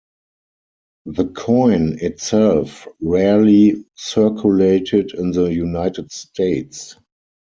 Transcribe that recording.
The coin itself rarely circulated in the United States.